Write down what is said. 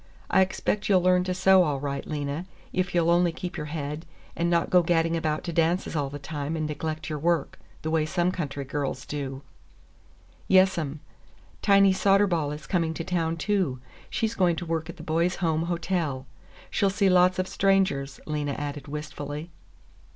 "I expect you'll learn to sew all right, Lena, if you'll only keep your head and not go gadding about to dances all the time and neglect your work, the way some country girls do." "Yes, 'm. Tiny Soderball is coming to town, too. She's going to work at the Boys' Home Hotel. She'll see lots of strangers," Lena added wistfully.